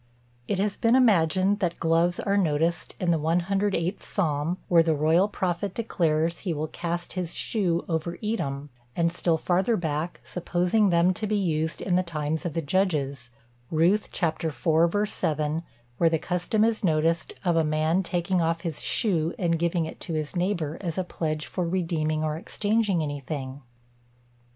It has been imagined that gloves are noticed in the 108th Psalm, where the royal prophet declares, he will cast his shoe over Edom; and still farther back, supposing them to be used in the times of the Judges, Ruth iv. 7, where the custom is noticed of a man taking off his shoe and giving it to his neighbour, as a pledge for redeeming or exchanging anything.